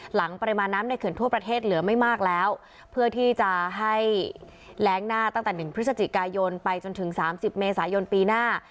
ปริมาณน้ำในเขื่อนทั่วประเทศเหลือไม่มากแล้วเพื่อที่จะให้แรงหน้าตั้งแต่๑พฤศจิกายนไปจนถึงสามสิบเมษายนปีหน้า